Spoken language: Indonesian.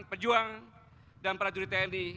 pejuang dan prajurit tni